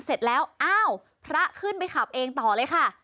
เสร็จแล้วอ้าวพระขึ้นไปขับเองต่อเลยค่ะ